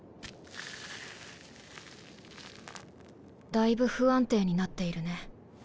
だいぶ不安定になっているね。